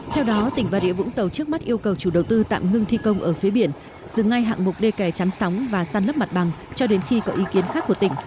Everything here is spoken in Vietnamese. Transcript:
theo đó tỉnh bà rịa vũng tàu trước mắt yêu cầu chủ đầu tư tạm ngưng thi công ở phía biển dừng ngay hạng mục đê kè chắn sóng và săn lấp mặt bằng cho đến khi có ý kiến khác của tỉnh